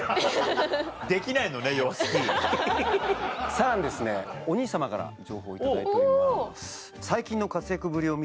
さらにお兄様から情報を頂いております。